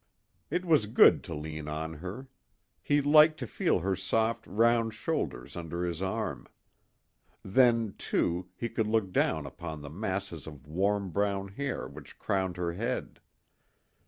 It was good to lean on her. He liked to feel her soft round shoulders under his arm. Then, too, he could look down upon the masses of warm brown hair which crowned her head.